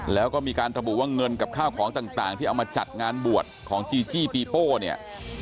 แล้วก็มีการระบุว่าเงินกับข้าวของต่างที่เอามาจัดงานบวชของจีจี้ปีโป้เนี่ย